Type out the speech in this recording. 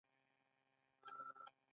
هغوی د خوښ څپو لاندې د مینې ژورې خبرې وکړې.